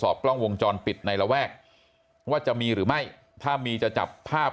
กล้องวงจรปิดในระแวกว่าจะมีหรือไม่ถ้ามีจะจับภาพ